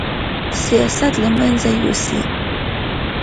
سیاست له منځه یوسي